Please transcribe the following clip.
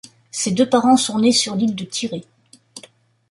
Ses deux parents sont nés sur l'île de Tiree.